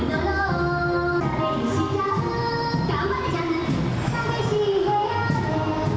สวัสดีครับ